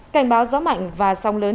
cảnh báo gió mạnh và sông lớn